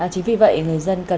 chính vì vậy người dân cần nắm chặt